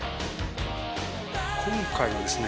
今回のですね